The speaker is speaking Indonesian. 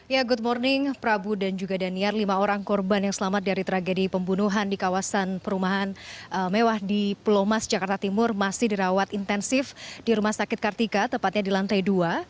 ya good morning prabu dan juga daniar lima orang korban yang selamat dari tragedi pembunuhan di kawasan perumahan mewah di pulau mas jakarta timur masih dirawat intensif di rumah sakit kartika tepatnya di lantai dua